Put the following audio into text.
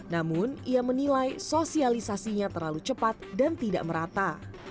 namun ia menilai sosialisasinya terlalu cepat dan tidak merata